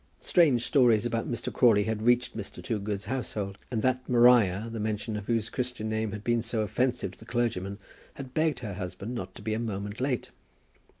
Strange stories about Mr. Crawley had reached Mr. Toogood's household, and that Maria, the mention of whose Christian name had been so offensive to the clergyman, had begged her husband not to be a moment late.